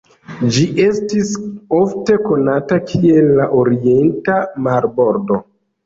Ĝi estis ofte konata kiel la "orienta marbordo".